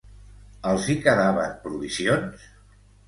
Els hi quedaven provisions?